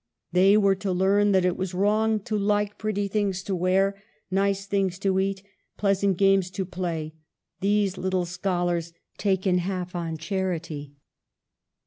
They were to learn that it was wrong to like pretty things to wear, nice things to eat, pleasant games to play ; these little schol ars taken half on charity.